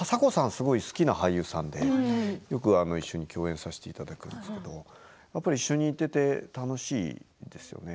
すごい好きな俳優さんでよく一緒に共演させていただくんですけどやっぱり一緒にいて楽しいですよね。